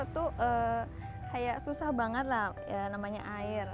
itu kayak susah banget lah namanya air